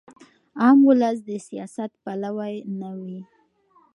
عام ولس د سیاست پلوی نه وي.